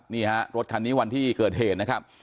นี่ฮะรถคันนี้วันที่เกิดเหตุนะครับ